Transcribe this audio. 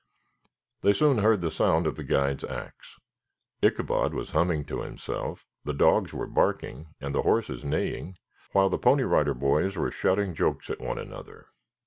They soon heard the sound of the guide's axe. Ichabod was humming to himself, the dogs were barking and the horses neighing, while the Pony Rider Boys were shouting jokes at one another.